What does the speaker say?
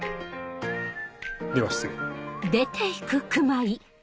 では失礼。